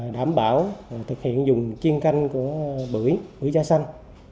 đảm bảo thực hiện dùng chuyên canh của bưởi bưởi da xanh